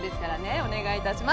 お願いいたします。